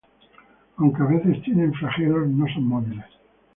Aunque a veces tienen flagelos, no son móviles.